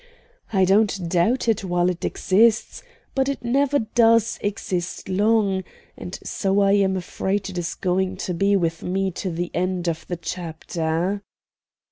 I don't doubt it while it exists, but it never does exist long, and so I am afraid it is going to be with me to the end of the chapter."